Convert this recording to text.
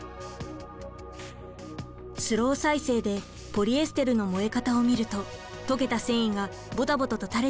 スロー再生でポリエステルの燃え方を見ると溶けた繊維がボタボタとたれています。